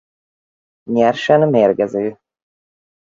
Nyersen mérgező.